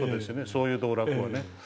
そういう道楽はね。